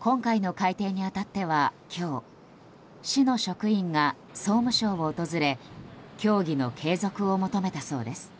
今回の改定に当たっては今日、市の職員が総務省を訪れ協議の継続を求めたそうです。